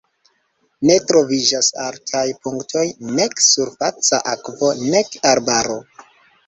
Ne troviĝas altaj punktoj, nek surfaca akvo, nek arbaro.